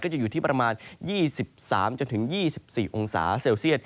จะอยู่ที่ประมาณ๒๓๒๔องศาเซลเซียต